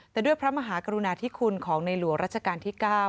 แต่ด้วยพระมหากรุณาธิคุณของในหลวงรัชกาลที่๙